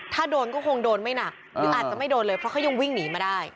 ถ้าโดนก็คงโดนไม่หนักหรืออาจจะไม่โดนเลยเพราะเขายังวิ่งหนีมาได้